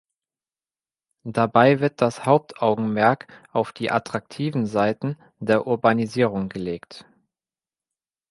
Dabei wird das Hauptaugenmerk auf die attraktiven Seiten der Urbanisierung gelegt.